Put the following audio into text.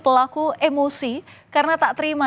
pelaku emosi karena tak terima